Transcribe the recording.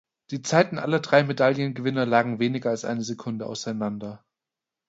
Die Zeiten aller drei Medaillengewinner lagen weniger als eine Sekunde auseinander.